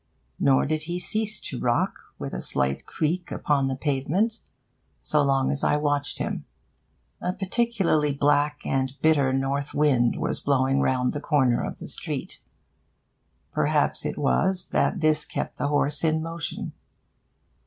Nor did he cease to rock, with a slight creak upon the pavement, so long as I watched him. A particularly black and bitter north wind was blowing round the corner of the street. Perhaps it was this that kept the horse in motion.